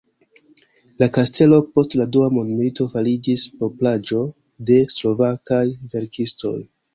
La kastelo post la dua mondmilito fariĝis propraĵo de slovakaj verkistoj.